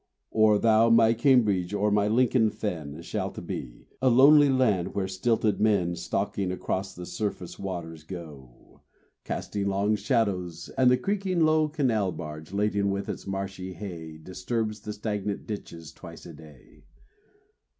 Or thou my Cambridge or my Lincoln fen Shalt be a lonely land where stilted men Stalking across the surface waters go, Casting long shadows, and the creaking, slow Canal barge, laden with its marshy hay, Disturbs the stagnant ditches twice a day.